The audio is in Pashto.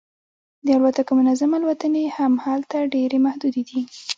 د الوتکو منظم الوتنې هم هلته ډیرې محدودې دي